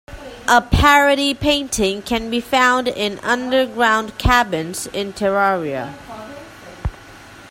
A parody painting can be found in Underground Cabins in "Terraria".